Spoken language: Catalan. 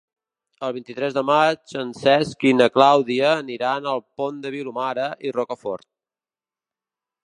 El vint-i-tres de maig en Cesc i na Clàudia aniran al Pont de Vilomara i Rocafort.